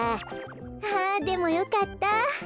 あでもよかった。